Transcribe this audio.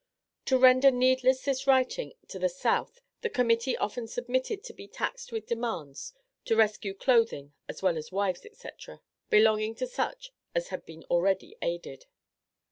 To render needless this writing to the South the Committee often submitted to be taxed with demands to rescue clothing as well as wives, etc., belonging to such as had been already aided.